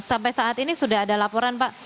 sampai saat ini sudah ada laporan pak